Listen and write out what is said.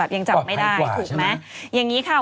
ยังจับไม่ได้อย่างนี้ค่ะ